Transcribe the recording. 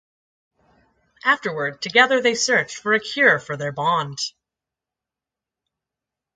Afterward, together they searched for a cure for their bond.